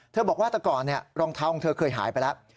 บอกว่าแต่ก่อนรองเท้าของเธอเคยหายไปแล้ว